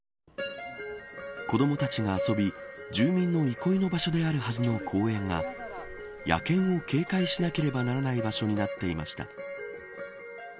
子どもたちが遊び、住民の憩いの場所であるはずの公園が野犬を警戒しなければならない場所になっていました。